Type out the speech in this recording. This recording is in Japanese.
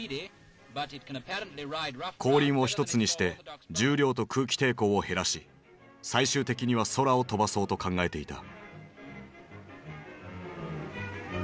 後輪を一つにして重量と空気抵抗を減らし最終的には空を飛ばそうと考えていた。